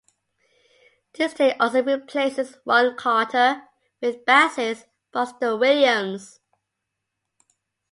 This take also replaces Ron Carter with bassist Buster Williams.